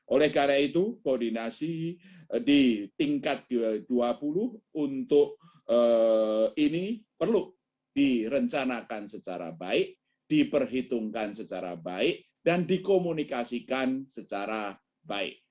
oleh karena itu koordinasi di tingkat g dua puluh untuk ini perlu direncanakan secara baik diperhitungkan secara baik dan dikomunikasikan secara baik